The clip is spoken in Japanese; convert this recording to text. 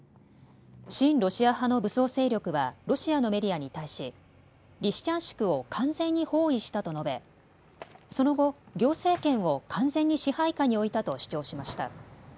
親ロシア派の武装勢力はロシアのメディアに対しリシチャンシクを完全に包囲したと述べその後、行政権を完全に支配下に置いたと主張しました。